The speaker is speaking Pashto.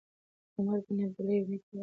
عمر بن عبیدالله یو نېک انسان و.